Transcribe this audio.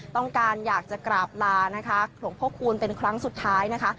ต้องการอยากจะกราบลานะคะหลวงพ่อคูณเป็นครั้งสุดท้ายนะคะ